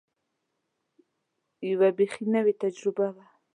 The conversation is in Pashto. یوه بېخي نوې تجربه وه.